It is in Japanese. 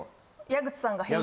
矢口さんが？